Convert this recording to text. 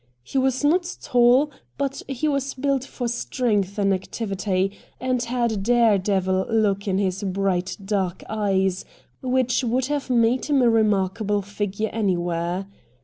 He was not tall, but he was built for strength and activity, and had a dare devil look in his bright, dark eyes which would have made him a remarkable figure anywhere.